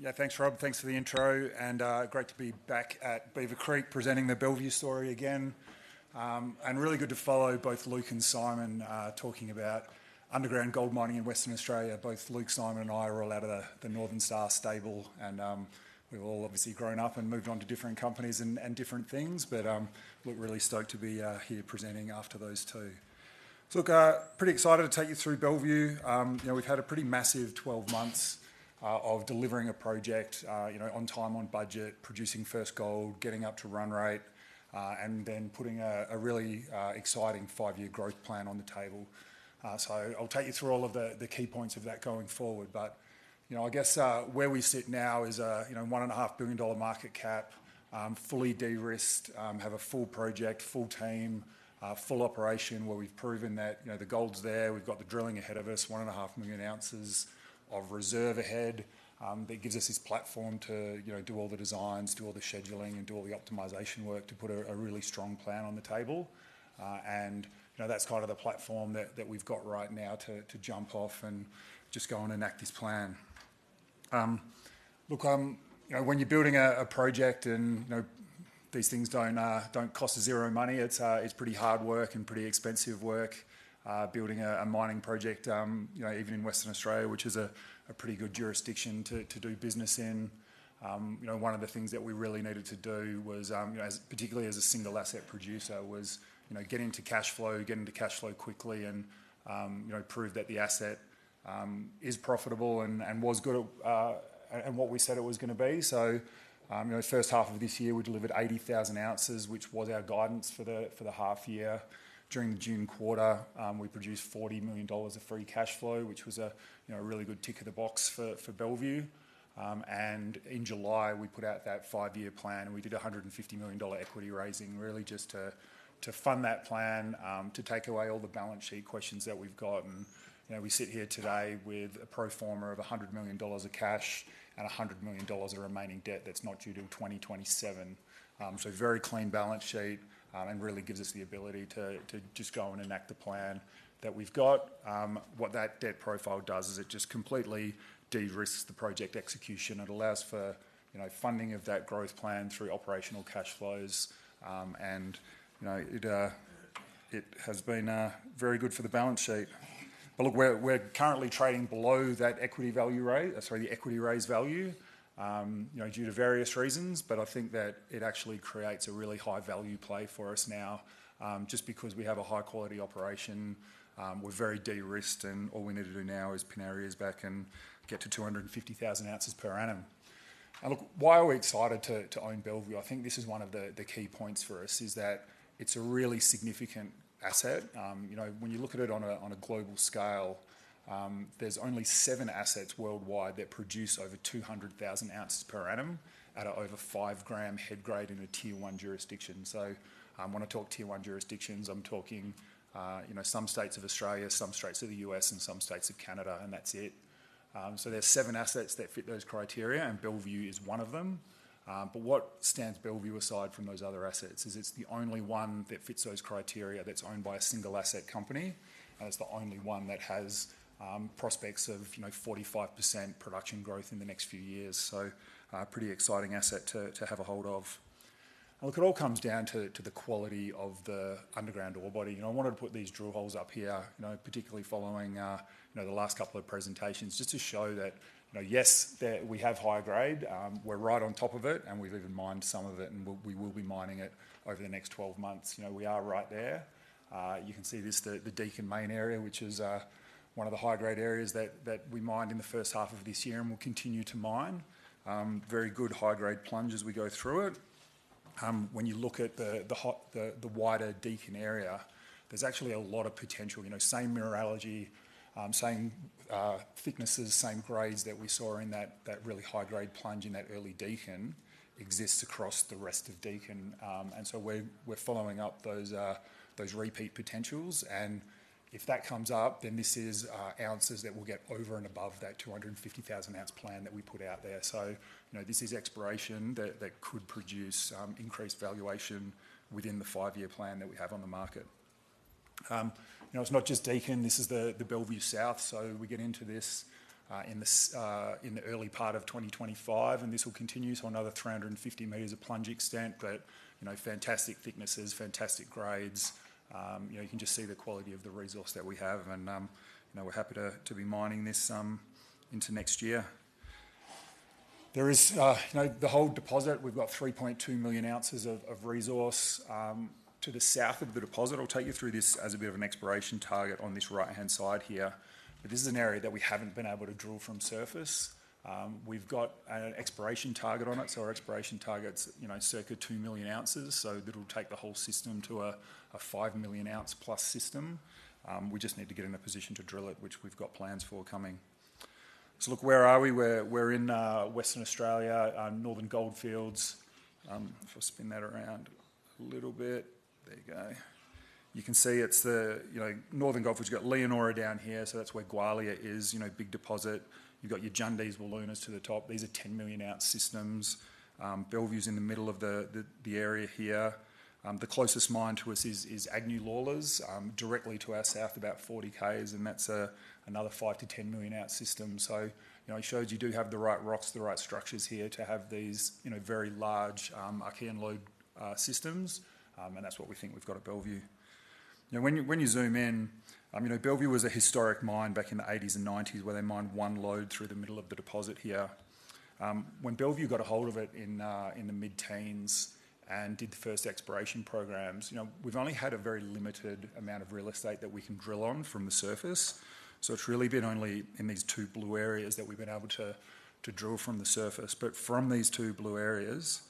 Yeah, thanks, Rob. Thanks for the intro, and great to be back at Beaver Creek, presenting the Bellevue story again. And really good to follow both Luke and Simon, talking about underground gold mining in Western Australia. Both Luke, Simon, and I are all out of the Northern Star stable, and we've all obviously grown up and moved on to different companies and different things. But look, really stoked to be here presenting after those two. So look, pretty excited to take you through Bellevue. You know, we've had a pretty massive twelve months of delivering a project, you know, on time, on budget, producing first gold, getting up to run rate, and then putting a really exciting five-year growth plan on the table. So I'll take you through all of the, the key points of that going forward. But, you know, I guess, where we sit now is a, you know, 1.5 billion dollar market cap, fully de-risked, have a full project, full team, full operation, where we've proven that, you know, the gold's there. We've got the drilling ahead of us, 1.5 million ounces of reserve ahead. That gives us this platform to, you know, do all the designs, do all the scheduling, and do all the optimization work to put a really strong plan on the table. And, you know, that's kind of the platform that we've got right now to jump off and just go and enact this plan. Look, you know, when you're building a project, and, you know, these things don't cost zero money, it's pretty hard work and pretty expensive work. Building a mining project, you know, even in Western Australia, which is a pretty good jurisdiction to do business in. You know, one of the things that we really needed to do was, particularly as a single asset producer, you know, get into cash flow, get into cash flow quickly, and, you know, prove that the asset is profitable and was good, and what we said it was gonna be. So, you know, first half of this year, we delivered eighty thousand ounces, which was our guidance for the half year. During the June quarter, we produced 40 million dollars of free cash flow, which was, you know, a really good tick in the box for Bellevue. And in July, we put out that five-year plan, and we did an 150 million dollar equity raising, really just to fund that plan, to take away all the balance sheet questions that we've gotten. You know, we sit here today with a pro forma of 100 million dollars of cash and 100 million dollars of remaining debt that's not due till 2027. So very clean balance sheet, and really gives us the ability to just go and enact the plan that we've got. What that debt profile does is it just completely de-risks the project execution. It allows for, you know, funding of that growth plan through operational cash flows, and, you know, it has been very good for the balance sheet, but look, we're currently trading below that equity value rate... Sorry, the equity raise value, you know, due to various reasons, but I think that it actually creates a really high-value play for us now. Just because we have a high-quality operation, we're very de-risked, and all we need to do now is pin our ears back and get to two hundred and fifty thousand ounces per annum, and look, why are we excited to own Bellevue? I think this is one of the key points for us, is that it's a really significant asset. You know, when you look at it on a global scale, there's only seven assets worldwide that produce over two hundred thousand ounces per annum at over five gram head grade in a Tier One jurisdiction. So, when I talk Tier One jurisdictions, I'm talking, you know, some states of Australia, some states of the U.S., and some states of Canada, and that's it. So, there's seven assets that fit those criteria, and Bellevue is one of them. But what stands Bellevue aside from those other assets is it's the only one that fits those criteria that's owned by a single asset company, and it's the only one that has, prospects of, you know, 45% production growth in the next few years. So, a pretty exciting asset to have a hold of. Look, it all comes down to the quality of the underground ore body. You know, I wanted to put these drill holes up here, you know, particularly following the last couple of presentations, just to show that, you know, yes, we have high-grade, we're right on top of it, and we've even mined some of it, and we'll be mining it over the next twelve months. You know, we are right there. You can see this, the Deacon Main area, which is one of the high-grade areas that we mined in the first half of this year and will continue to mine. Very good high-grade plunge as we go through it. When you look at the whole, the wider Deacon area, there's actually a lot of potential. You know, same mineralogy, same thicknesses, same grades that we saw in that, that really high grade plunge in that early Deacon exists across the rest of Deacon. And so we're following up those repeat potentials, and if that comes up, then this is ounces that will get over and above that 250,000-ounce plan that we put out there. So, you know, this is exploration that could produce increased valuation within the five-year plan that we have on the market. You know, it's not just Deacon. This is the Bellevue South, so we get into this in the early part of twenty twenty-five, and this will continue to another 350 meters of plunge extent, but, you know, fantastic thicknesses, fantastic grades. You know, you can just see the quality of the resource that we have, and, you know, we're happy to be mining this into next year. There is, you know, the whole deposit, we've got three point two million ounces of resource to the south of the deposit. I'll take you through this as a bit of an exploration target on this right-hand side here. But this is an area that we haven't been able to drill from surface. We've got an exploration target on it, so our exploration target's, you know, circa two million ounces, so it'll take the whole system to a five million ounce plus system. We just need to get in a position to drill it, which we've got plans for coming. So look, where are we? We're in Western Australia, Northern Goldfields. If I spin that around a little bit. There you go. You can see it's the, you know, Northern Goldfields. You've got Leonora down here, so that's where Gwalia is, you know, big deposit. You've got your Jundees, Wilunas to the top. These are 10 million ounce systems. Bellevue's in the middle of the area here. The closest mine to us is Agnew-Lawlers, directly to our south, about 40 Ks, and that's another 5-10 million ounce system. So, you know, it shows you do have the right rocks, the right structures here to have these, you know, very large Archean lode systems. And that's what we think we've got at Bellevue. Now, when you zoom in, you know, Bellevue was a historic mine back in the eighties and nineties, where they mined one lode through the middle of the deposit here. When Bellevue got a hold of it in the mid-teens and did the first exploration programs, you know, we've only had a very limited amount of real estate that we can drill on from the surface. So it's really been only in these two blue areas that we've been able to drill from the surface. But from these two blue areas,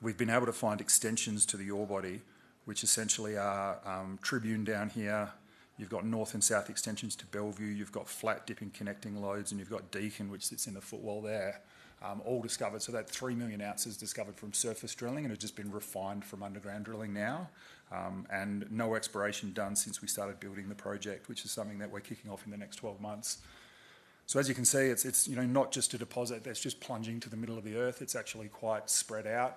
we've been able to find extensions to the ore body, which essentially are Tribune down here. You've got north and south extensions to Bellevue. You've got flat dipping, connecting lodes, and you've got Deakin, which sits in the footwall there, all discovered. So that three million ounces discovered from surface drilling, and it's just been refined from underground drilling now. And no exploration done since we started building the project, which is something that we're kicking off in the next 12 months. So as you can see, it's you know, not just a deposit that's just plunging to the middle of the earth. It's actually quite spread out.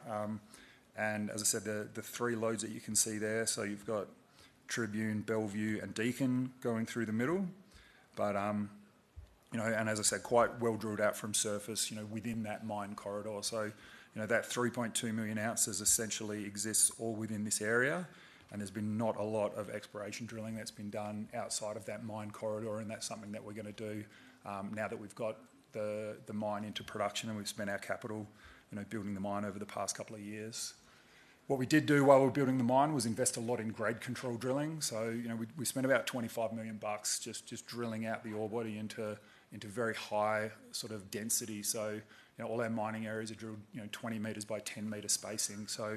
And as I said, the three lodes that you can see there, so you've got Tribune, Bellevue, and Deakin going through the middle. But you know, and as I said, quite well drilled out from surface, you know, within that mine corridor. So, you know, that three point two million ounces essentially exists all within this area, and there's been not a lot of exploration drilling that's been done outside of that mine corridor, and that's something that we're gonna do now that we've got the mine into production, and we've spent our capital, you know, building the mine over the past couple of years. What we did do while we were building the mine was invest a lot in grade control drilling. So, you know, we spent about 25 million bucks just drilling out the ore body into very high sort of density. So, you know, all our mining areas are drilled, you know, 20 meters by 10-meter spacing. So,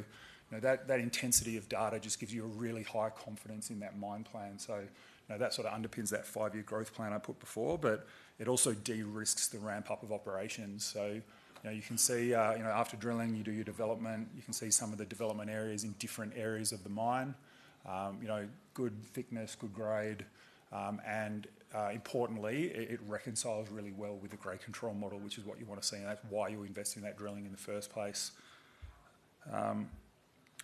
you know, that intensity of data just gives you a really high confidence in that mine plan. You know, that sort of underpins that five-year growth plan I put before, but it also de-risks the ramp-up of operations. You know, you can see, you know, after drilling, you do your development. You can see some of the development areas in different areas of the mine. You know, good thickness, good grade, and importantly, it reconciles really well with the grade control model, which is what you want to see, and that's why you invest in that drilling in the first place.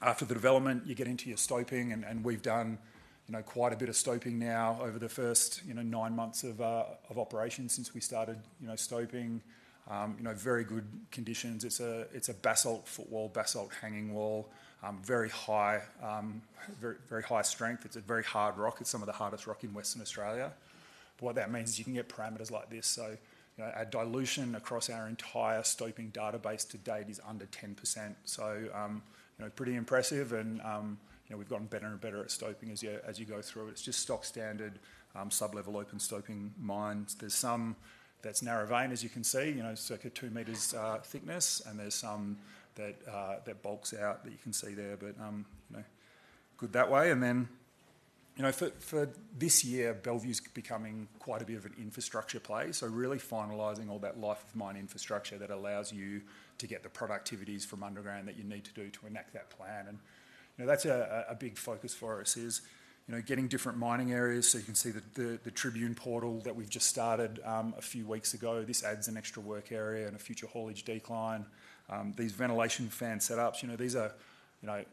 After the development, you get into your stoping, and we've done, you know, quite a bit of stoping now over the first, you know, nine months of operation since we started, you know, stoping. You know, very good conditions. It's a basalt footwall, basalt hanging wall, very high, very, very high strength. It's a very hard rock. It's some of the hardest rock in Western Australia. But what that means is you can get parameters like this. So, you know, our dilution across our entire stoping database to date is under 10%. So, you know, pretty impressive and, you know, we've gotten better and better at stoping as you go through. It's just stock standard, sub-level open stoping mines. There's some that's narrow vein, as you can see, you know, circa two meters thickness, and there's some that bulks out that you can see there. But, you know, good that way. And then, you know, for this year, Bellevue's becoming quite a bit of an infrastructure play, so really finalizing all that life of mine infrastructure that allows you to get the productivities from underground that you need to do to enact that plan. And, you know, that's a big focus for us, is, you know, getting different mining areas. So you can see the Tribune portal that we've just started a few weeks ago. This adds an extra work area and a future haulage decline. These ventilation fan setups, you know, these are, you know,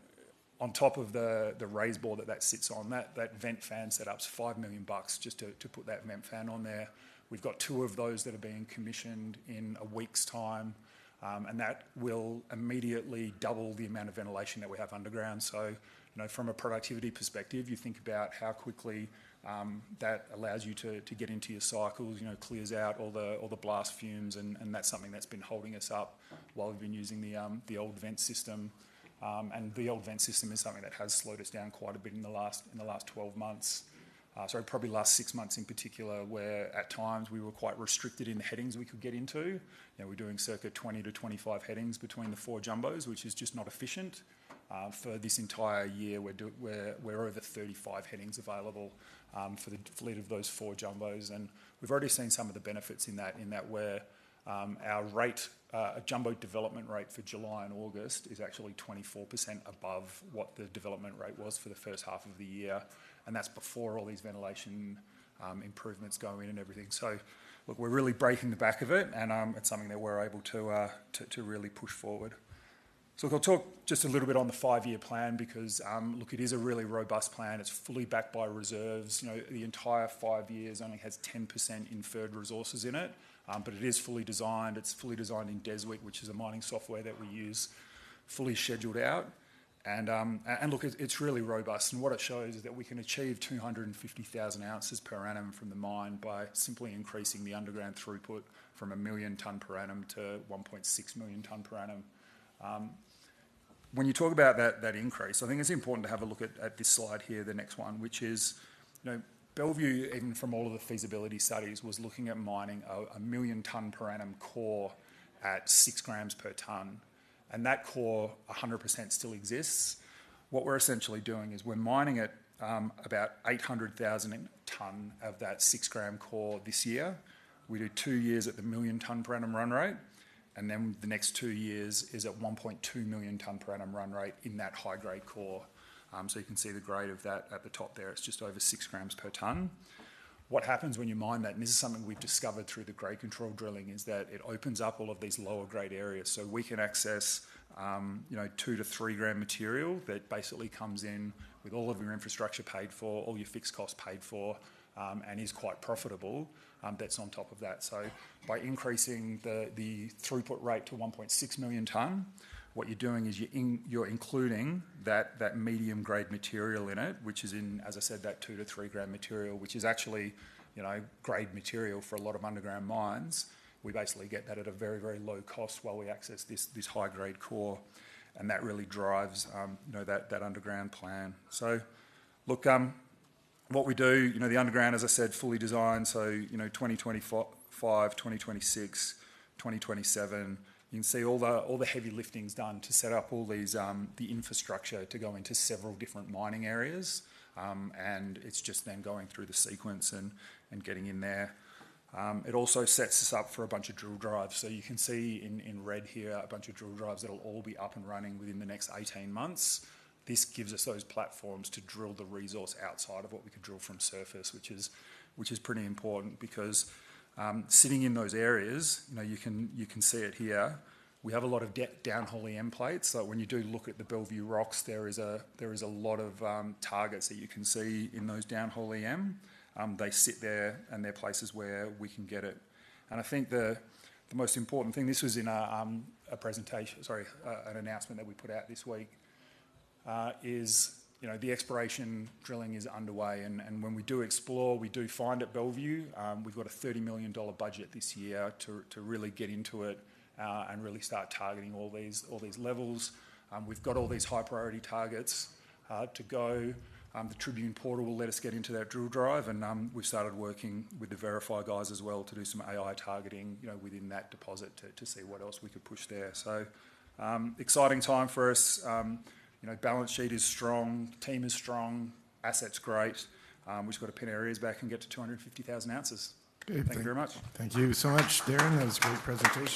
on top of the raise bore that sits on, that vent fan setup's 5 million bucks just to put that vent fan on there. We've got two of those that are being commissioned in a week's time, and that will immediately double the amount of ventilation that we have underground. You know, from a productivity perspective, you think about how quickly that allows you to get into your cycles. You know, it clears out all the blast fumes, and that's something that's been holding us up while we've been using the old vent system. The old vent system is something that has slowed us down quite a bit in the last 12 months. Sorry, probably last 6 months in particular, where at times we were quite restricted in the headings we could get into. You know, we're doing circa 20-25 headings between the four jumbos, which is just not efficient. For this entire year, we're over 35 headings available for the fleet of those four jumbos, and we've already seen some of the benefits in that where our rate, a jumbo development rate for July and August is actually 24% above what the development rate was for the first half of the year, and that's before all these ventilation improvements go in and everything. Look, we're really breaking the back of it, and it's something that we're able to to really push forward. I'll talk just a little bit on the five-year plan because look, it is a really robust plan. It's fully backed by reserves. You know, the entire five years only has 10% inferred resources in it, but it is fully designed. It's fully designed in Deswik, which is a mining software that we use, fully scheduled out. And, and look, it's really robust, and what it shows is that we can achieve two hundred and fifty thousand ounces per annum from the mine by simply increasing the underground throughput from a million tonne per annum to one point six million tonne per annum. When you talk about that, that increase, I think it's important to have a look at this slide here, the next one, which is, you know, Bellevue, even from all of the feasibility studies, was looking at mining a million tonne per annum core at six grams per tonne, and that core, a hundred percent still exists. What we're essentially doing is we're mining at about eight hundred thousand tonne of that six-gram core this year. We do two years at the million tonne per annum run rate, and then the next two years is at one point two million tonne per annum run rate in that high-grade core. So you can see the grade of that at the top there, it's just over six grams per tonne. What happens when you mine that, and this is something we've discovered through the grade control drilling, is that it opens up all of these lower grade areas. So we can access, you know, two to three gram material that basically comes in with all of your infrastructure paid for, all your fixed costs paid for, and is quite profitable. That's on top of that. By increasing the throughput rate to 1.6 million ton, what you're doing is you're including that medium grade material in it, which is, as I said, that two to three gram material, which is actually, you know, grade material for a lot of underground mines. We basically get that at a very, very low cost while we access this high-grade core, and that really drives, you know, that underground plan. Look, what we do, you know, the underground, as I said, fully designed, so you know, 2025, 2026, 2027, you can see all the heavy lifting's done to set up all these the infrastructure to go into several different mining areas. And it's just then going through the sequence and getting in there. It also sets us up for a bunch of drill drives. So you can see in red here, a bunch of drill drives that'll all be up and running within the next eighteen months. This gives us those platforms to drill the resource outside of what we could drill from surface, which is pretty important because, sitting in those areas, you know, you can see it here, we have a lot of downhole EM plates, that when you do look at the Bellevue rocks, there is a lot of targets that you can see in those downhole EM. They sit there, and they're places where we can get it. I think the most important thing, this was in an announcement that we put out this week, is you know the exploration drilling is underway, and when we do explore, we do find at Bellevue. We've got a 30 million dollar budget this year to really get into it, and really start targeting all these levels. We've got all these high priority targets to go. The Tribune portal will let us get into that drill drive, and we've started working with the VRIFY guys as well to do some AI targeting, you know, within that deposit to see what else we could push there. It's an exciting time for us. You know, balance sheet is strong, team is strong, asset's great. We've just got to pin our ears back and get to two hundred and fifty thousand ounces. Okay, thank you very much. Thank you so much, Darren. That was a great presentation.